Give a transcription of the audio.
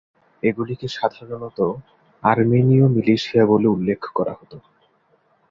এগুলিকে সাধারণত আর্মেনিয় মিলিশিয়া বলে উল্লেখ করা হত।